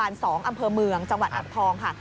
จังหวัดอ่างทองค่ะ